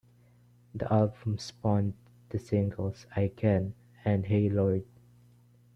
The album spawned the singles "I Can" and "Hey Lord!".